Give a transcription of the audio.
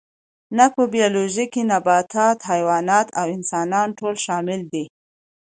نه په بیولوژي کې نباتات حیوانات او انسانان ټول شامل دي